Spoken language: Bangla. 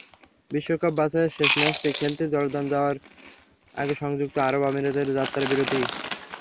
বিশ্বকাপ বাছাইয়ের শেষ ম্যাচটি খেলতে জর্ডান যাওয়ার আগে সংযুক্ত আরব আমিরাতে যাত্রাবিরতি।